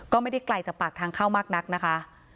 ก็ไม่ได้ไกลจากปากทางเข้ามากนักนะคะ